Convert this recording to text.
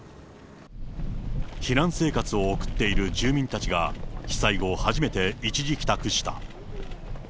避難生活を送っている住民たちが、被災後、初めて一時帰宅した。